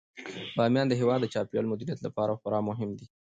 بامیان د هیواد د چاپیریال د مدیریت لپاره خورا مهم دی.